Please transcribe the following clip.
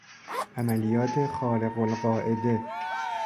عملیات خارق القاعده